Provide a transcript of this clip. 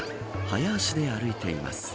早足で歩いています。